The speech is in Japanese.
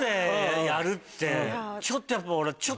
ちょっとやっぱ俺。